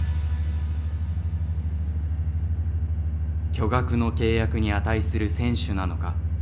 巨額の契約に値する選手なのか。